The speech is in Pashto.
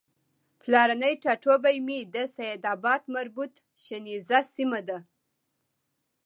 پلرنی ټاټوبی مې د سیدآباد مربوط شنیز سیمه ده